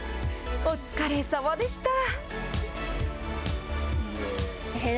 お疲れさまでした。